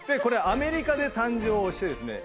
アメリカで誕生してですね